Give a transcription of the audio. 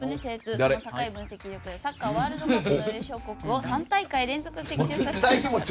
その高い分析力で、サッカーワールドカップの優勝国を３大会連続的中させました。